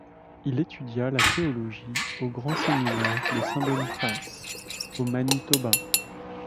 Il étudia la théologie au Grand Séminaire de Saint-Boniface au Manitoba.